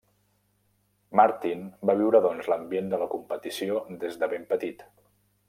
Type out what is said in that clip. Martin va viure doncs l'ambient de la competició des de ben petit.